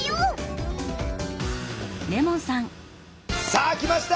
さあ来ました！